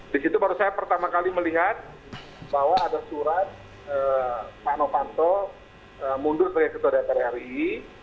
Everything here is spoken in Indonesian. di situ baru saya pertama kali melihat bahwa ada surat pak novanto mundur sebagai ketua dpr ri